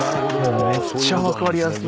めっちゃ分かりやすいな。